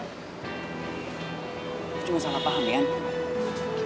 gue cuma salah paham yan